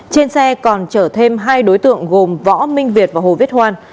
trên xe còn chở thêm hai đối tượng gồm võ minh việt và hồ viết hoan